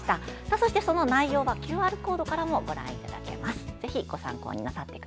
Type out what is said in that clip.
そして、その内容はＱＲコードからもご覧いただけます。